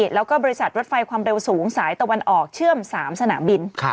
แล้วก็บริษัทรถไฟความเร็วสูงสายตะวันออกเชื่อม๓สนามบิน